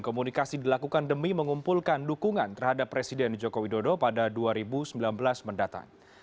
komunikasi dilakukan demi mengumpulkan dukungan terhadap presiden joko widodo pada dua ribu sembilan belas mendatang